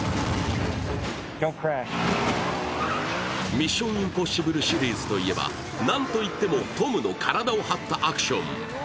「ミッション：インポッシブル」シリーズといえばなんと言ってもトムの体を張ったアクション。